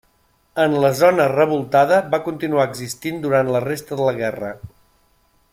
En la zona revoltada va continuar existint durant la resta de la guerra.